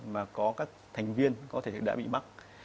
mà có các thành viên có thể đã bị bắt